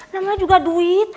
namanya juga duit